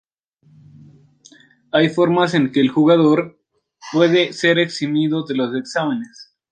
Hay formas en que el jugador puede ser eximido de los exámenes.